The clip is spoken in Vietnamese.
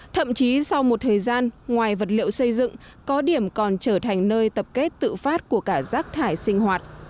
thậm chí sau một thời gian ngoài vật liệu xây dựng có điểm còn trở thành nơi tập kết tự phát của cả rác thải sinh hoạt